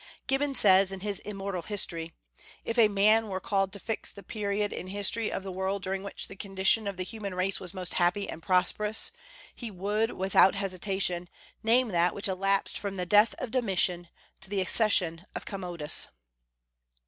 Gibbon says, in his immortal History, "If a man were called to fix the period in the history of the world during which the condition of the human race was most happy and prosperous, he would, without hesitation, name that which elapsed from the death of Domitian to the accession of Commodus."